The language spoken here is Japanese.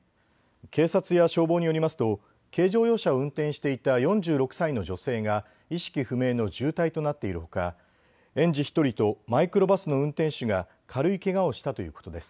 警察や消防によりますと軽乗用車を運転していた４６歳の女性が意識不明の重体となっているほか、園児１人とマイクロバスの運転手が軽いけがをしたということです。